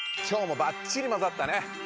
今日もばっちりまざったね！